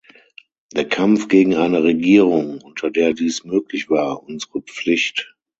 Der Kampf gegen eine Regierung, unter der dies möglich war, unsere Pflicht!